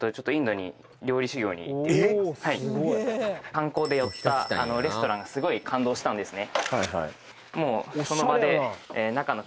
観光で寄ったレストランがすごい感動したんですね